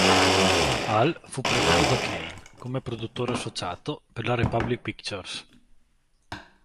Hall, fu prodotto da Kane, come produttore associato, per la Republic Pictures.